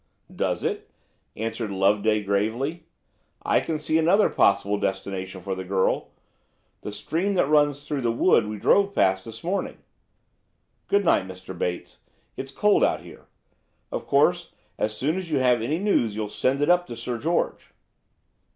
"Does it?" answered Loveday gravely. "I can see another possible destination for the girl–the stream that runs through the wood we drove past this morning. Good night, Mr. Bates, it's cold out here. Of course so soon as you have any news you'll send it up to Sir George."